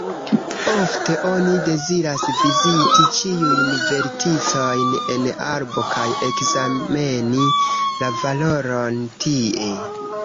Ofte oni deziras viziti ĉiujn verticojn en arbo kaj ekzameni la valoron tie.